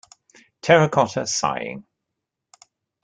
Terracotta Sighing.